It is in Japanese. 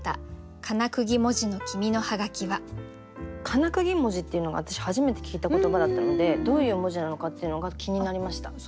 「かなくぎ文字」っていうのが私初めて聞いた言葉だったのでどういう文字なのかっていうのが気になりました。